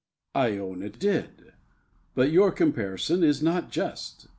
I own it did; but your comparison is not just.